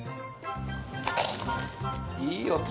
いい音。